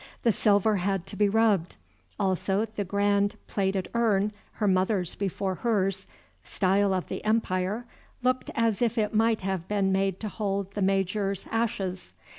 The silver had to be rubbed; also the grand plated urn, her mother's before hers, style of the Empire, looking as if it might have been made to hold the Major's ashes.